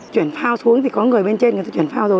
chuyển phao xuống thì có người bên trên chuyển phao rồi